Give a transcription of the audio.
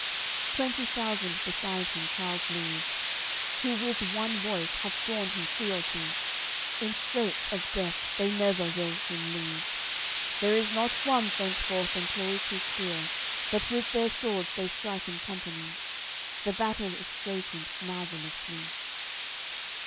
Twenty thousand beside him Charles leads, Who with one voice have sworn him fealty; In straits of death they never will him leave. There is not one thenceforth employs his spear, But with their swords they strike in company. The battle is straitened marvellously.